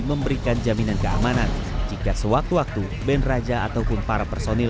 memberikan jaminan keamanan jika sewaktu waktu band raja ataupun para personil